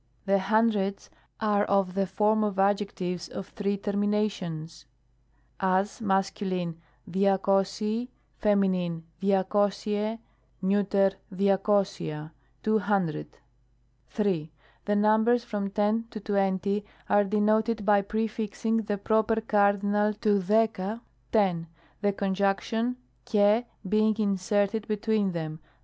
The hundreds are of the form of adjectives of three terminations ; as, Masc. 8ca;€6oC'Oc, Fem. dca^occ acy dca^cocc ay "two hundred." 3. The numbers from ten to twenty are denoted by prefixing the proper cardinal to 8l?ca, " ten," the conjunction ^al being inserted between them.